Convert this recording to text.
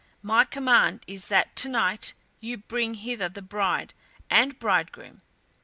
My command is that to night you bring hither the bride and bridegroom."